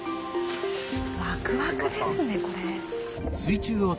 ワクワクですねこれ。